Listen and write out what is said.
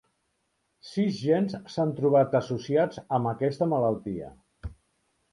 Sis gens s'han trobat associats amb aquesta malaltia.